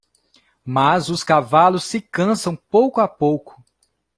Mas os cavalos se cansam pouco a pouco.